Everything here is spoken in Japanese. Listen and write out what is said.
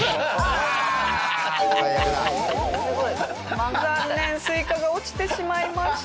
残念スイカが落ちてしまいました。